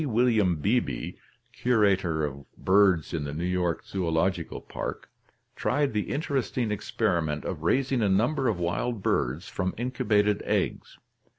William Beebe, Curator of Birds in the New York Zoological Park, tried the interesting experiment of raising a number of wild birds from incubated eggs.